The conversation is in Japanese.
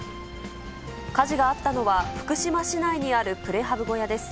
火事があったのは、福島市内にあるプレハブ小屋です。